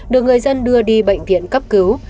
được người dân đưa đi bệnh viện cấp cứu